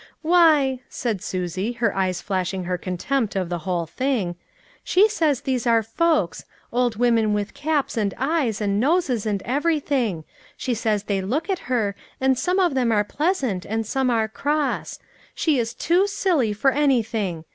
"Why," said Susie, her eyes flashing her con tempt of the whole thing, "she says these are folks; old women with caps, and eyes, and noses, and everything; she says they look at her, and some of them are pleasant, and some are cross. She is too silly for anything.